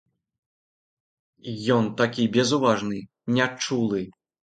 Ён такі безуважны, нячулы.